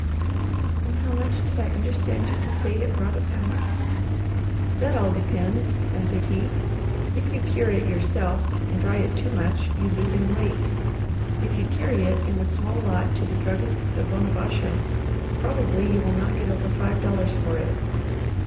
"And how much did I understand you to say it brought a pound?" "That all depends," answered he. "If you cure it yourself, and dry it too much, you lose in weight. If you carry it in a small lot to the druggists of Onabasha, probably you will not get over five dollars for it."